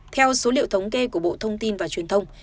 theo số liệu thống kê của bộ thông tin và truyền thông